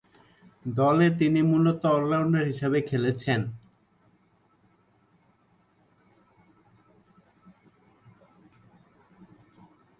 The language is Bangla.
দলে তিনি মূলতঃ অল-রাউন্ডার হিসেবে খেলেছেন।